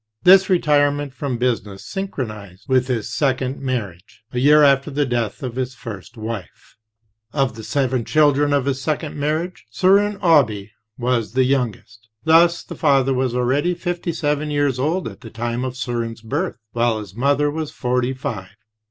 This retirement from business synchronized with his second marriage, a year after the death of his first wife. Of the seven children of this second marriage, Soren Aabye was the youngest. Thus the father was already fifty seven years old at the time of Soren's birth, while his mother was forty five.